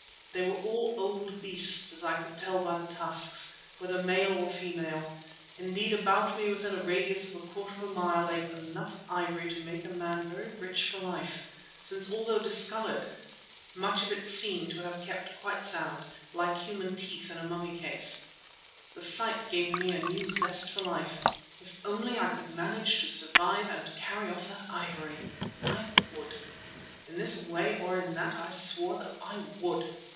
They were all old beasts as I could tell by the tusks, whether male or female. Indeed about me within a radius of a quarter of a mile lay enough ivory to make a man very rich for life, since although discoloured, much of it seemed to have kept quite sound, like human teeth in a mummy case. The sight gave me a new zest for life. If only I could manage to survive and carry off that ivory! I would. In this way or in that I swore that I would!